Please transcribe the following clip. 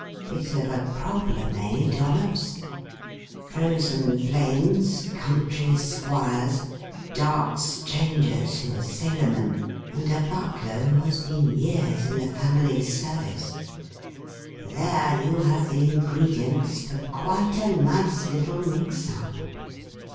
Bit of a problem, eh, Dollops? Frozen Flames, Country Squires, Dark Strangers who are sailormen, and a butler who has been years in the family service; there you have the ingredients for quite a nice little mix up.